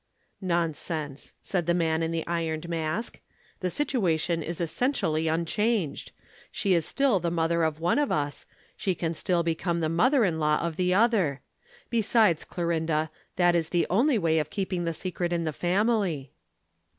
"Nonsense," said the Man in the Ironed Mask. "The situation is essentially unchanged. She is still the mother of one of us, she can still become the mother in law of the other. Besides, Clorinda, that is the only way of keeping the secret in the family."